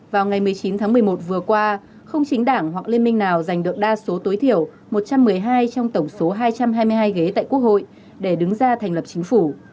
vào ngày một mươi chín tháng một mươi một vừa qua không chính đảng hoặc liên minh nào giành được đa số tối thiểu một trăm một mươi hai trong tổng số hai trăm hai mươi hai ghế tại quốc hội để đứng ra thành lập chính phủ